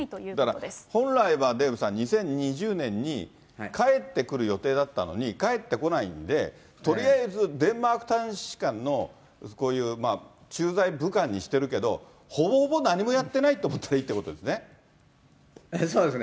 だから本来は、デーブさん、２０２０年に帰ってくる予定だったのに、帰ってこないんで、とりあえずデンマーク大使館の、こういう駐在武官にしてるけど、ほぼほぼ何もやってないって思っていいんですね。